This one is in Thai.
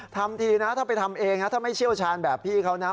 ทำทีนะถ้าไปทำเองนะถ้าไม่เชี่ยวชาญแบบพี่เขานะ